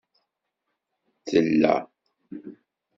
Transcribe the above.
Tella